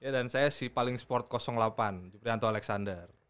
dan saya sipaling sport delapan jeprianto alexander